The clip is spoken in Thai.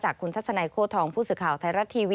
คุณทัศนัยโค้ทองผู้สื่อข่าวไทยรัฐทีวี